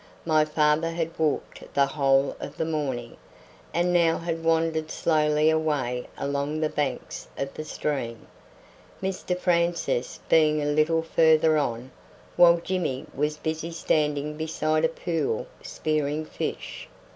My father had walked the whole of the morning, and now had wandered slowly away along the banks of the stream, Mr Francis being a little further on, while Jimmy was busy standing beside a pool spearing fish.